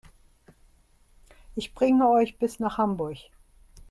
Ich bringe euch bis nach Hamburg